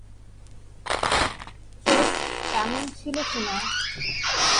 চোখ কেমন ছিলো শোনা?